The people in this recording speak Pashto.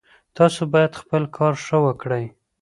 تاسو باید خپل کار ښه وکړئ